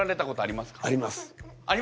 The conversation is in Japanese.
ありますか！？